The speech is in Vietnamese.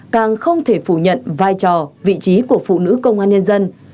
càng không thể phủ nhận vai trò vị trí của phụ nữ công an nhân dân